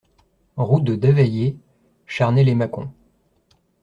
Route de Davayé, Charnay-lès-Mâcon